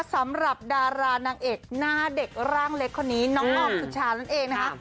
สำหรับดารานางเอกหน้าเด็กร่างเล็กคนนี้น้องออมสุชานั่นเองนะคะ